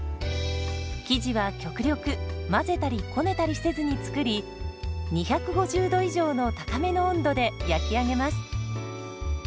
生地は極力混ぜたりこねたりせずに作り２５０度以上の高めの温度で焼き上げます。